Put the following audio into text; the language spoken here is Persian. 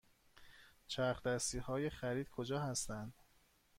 چرخ دستی های خرید کجا هستند؟